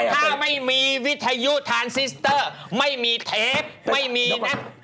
ถ้าไม่มีวิทยุทานซิสเตอร์ไม่มีเทปไม่มีนะ